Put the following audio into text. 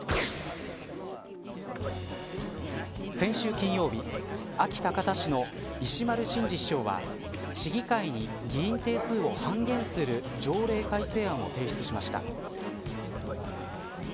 先週金曜日安芸高田市の石丸伸二市長は市議会に議員定数を半減する条例改正案を提出しました。